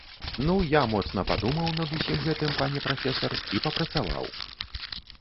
Ну, я моцна падумаў над усім гэтым, пане прафесар, і папрацаваў.